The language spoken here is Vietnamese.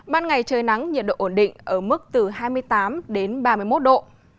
ban ngày trời nắng nhiệt độ ổn định ở mức từ hai mươi tám đến ba mươi một độ